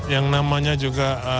yang namanya juga